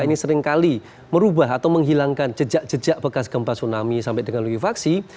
ini seringkali merubah atau menghilangkan jejak jejak bekas gempa tsunami sampai dengan likuifaksi